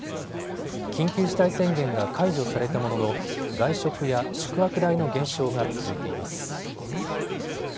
緊急事態宣言が解除されたものの外食や宿泊代の減少が続いています。